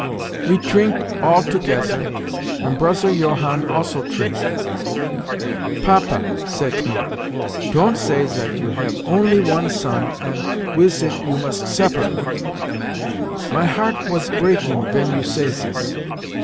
We trink altogezer, and broser Johann also trink. 'Papa,' sayt me, 'ton't say zat you have only one son, ant wis it you must separate, My heart was breaking ven you say sis.